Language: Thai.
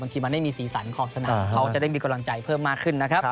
ทีมันไม่มีสีสันของสนามเขาจะได้มีกำลังใจเพิ่มมากขึ้นนะครับ